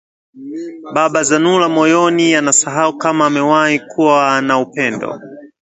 Baba Zanura moyoni anasahau kama amewahi kuwa na upendo